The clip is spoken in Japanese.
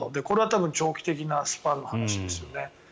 これはたぶん長期的なスパンの話ですよね。